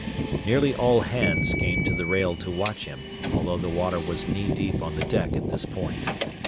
Nearly all hands came to the rail to watch him, although the water was knee deep on the deck at this point.